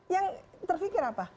yang terfikir apa